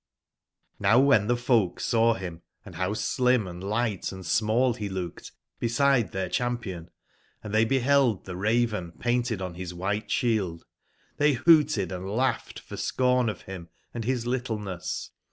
O^ when the folk saw him, &how slim and li^bt and small he looked beside their cham pion, and they beheld the Raven painted on his white shield, they hooted and laughed for scorn of him and bis littleness.